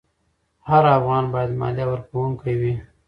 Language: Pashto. هر افغان باید مالیه ورکوونکی وي.